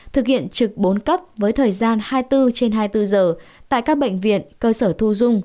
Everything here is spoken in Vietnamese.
thực hiện trực bốn cấp với thời gian hai mươi bốn trên hai mươi bốn giờ tại các bệnh viện cơ sở thu dung